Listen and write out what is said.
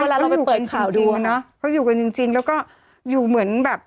เวลาเราไปเปิดข่าวดูอะเขาอยู่กันจริงแล้วก็อยู่เหมือนแบบ